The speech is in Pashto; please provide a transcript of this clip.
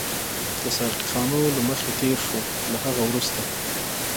د ساقي خانو له مخې تېر شوو، له هغه وروسته.